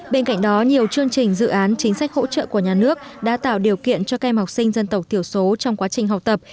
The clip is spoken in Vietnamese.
bên cạnh đó nhiều chương trình dự án chính sách hỗ trợ của nhà nước đã tạo điều kiện cho các em học sinh dân tộc thiểu số trong quá trình học tập